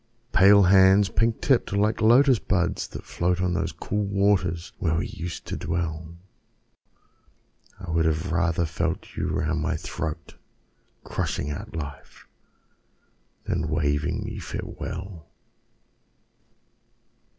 Pale hands, pink tipped, like Lotus buds that float On those cool waters where we used to dwell, I would have rather felt you round my throat, Crushing out life, than waving me farewell!